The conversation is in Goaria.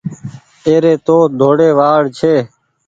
اي ري تو ڌوڙي وآڙ ڇي۔